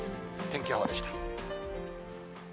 天気予報でした。